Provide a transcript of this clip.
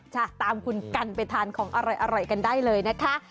ตามคุณกันไปทานของอร่อยกันได้เลยนะคะ